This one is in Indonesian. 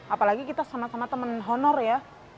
apalagi kita sama sama teman honor ya